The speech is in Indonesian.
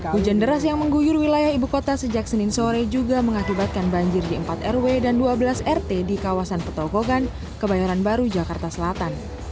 hujan deras yang mengguyur wilayah ibu kota sejak senin sore juga mengakibatkan banjir di empat rw dan dua belas rt di kawasan petokogan kebayoran baru jakarta selatan